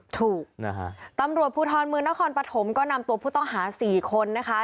ถูกนะฮะตำรวจภูทรเมืองนครปฐมก็นำตัวผู้ต้องหาสี่คนนะคะ